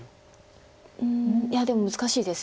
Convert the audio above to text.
いやでも難しいです。